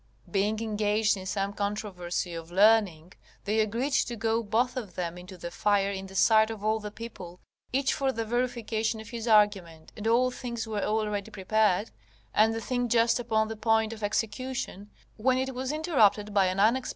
Being engaged in some controversy of learning, they agreed to go both of them into the fire in the sight of all the people, each for the verification of his argument, and all things were already prepared, and the thing just upon the point of execution, when it was interrupted by an unexpected accident.